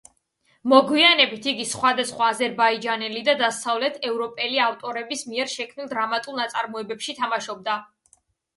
მოგვიანებით იგი სხვადასხვა აზერბაიჯანელი და დასავლეთ ევროპელი ავტორების მიერ შექმნილ დრამატულ ნაწარმოებებში თამაშობდა.